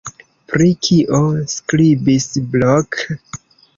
Pri kio skribis Blok?